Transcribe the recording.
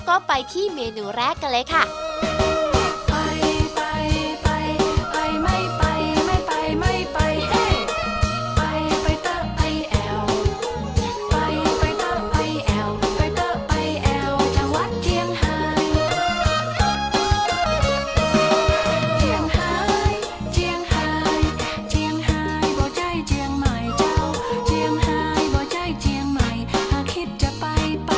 ก็ไปที่เมนูแรกกันเลยค่ะ